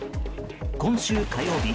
今週火曜日